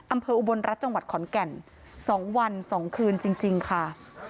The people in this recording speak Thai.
อำเภาบนรัฐจังหวัดขอนแก่นสองวันสองคืนจริงจริงค่ะ